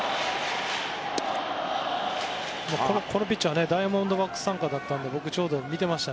このピッチャーはダイヤモンドバックス傘下だったので僕、ちょうど見てました。